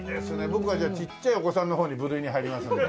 僕はじゃあちっちゃいお子さんの方に部類に入りますので。